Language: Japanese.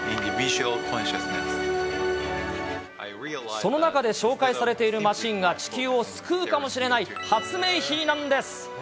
その中で紹介されているマシンが、地球を救うかもしれない発明品なんです。